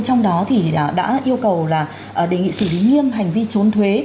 trong đó thì đã yêu cầu là đề nghị xử lý nghiêm hành vi trốn thuế